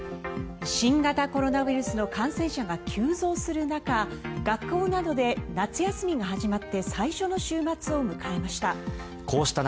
新型コロナウイルスの感染者が急増する中学校などで夏休みが始まって最初の週末を迎えました。